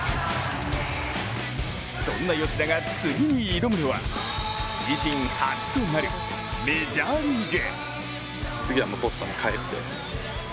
そんな吉田が次に挑むのは自身初となるメジャーリーグ。